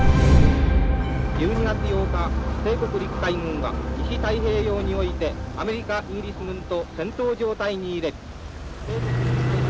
「１２月８日帝国陸海軍は西太平洋においてアメリカイギリス軍と戦闘状態に入れり」。